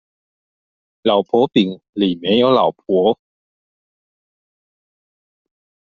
老婆餅裡沒有老婆